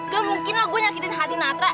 gak mungkin lah gue nyakitin hati natra